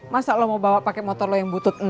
masa lu mau bawa pake motor lu yang butut ini